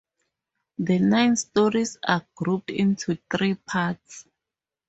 The nine stories are grouped into three parts.